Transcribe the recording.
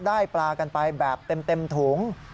ได้ปลากันไปแบบเต็มถุง